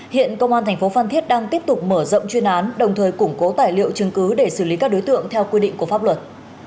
hiện công an thành phố phan thiết đang tiếp tục mở rộng chuyên án đồng thời củng cố tài liệu chứng cứ để xử lý các đối tượng theo quy định của pháp luật